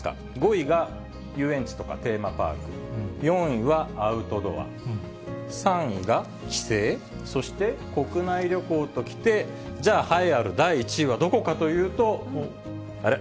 ５位が遊園地とかテーマパーク、４位はアウトドア、３位が帰省、そして、国内旅行と来て、じゃあ栄えある第１位はどこかというと、あれ？